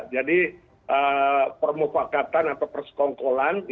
jadi permufakatan atau persekongkolan